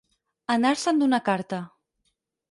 Anar-se'n d'una carta.